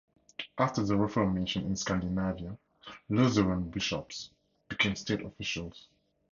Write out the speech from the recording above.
After the Reformation in Scandinavia, Lutheran bishops became state officials.